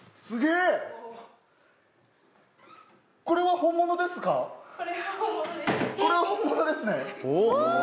これは本物ですね。